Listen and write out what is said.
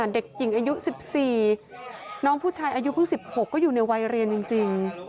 เด็กหญิงอายุ๑๔น้องผู้ชายอายุเพิ่ง๑๖ก็อยู่ในวัยเรียนจริง